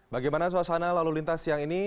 bagaimana suasana lalu lintas siang ini